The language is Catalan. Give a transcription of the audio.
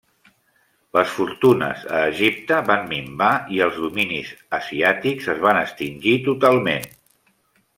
Les fortunes a Egipte van minvar i els dominis asiàtics es van extingir totalment.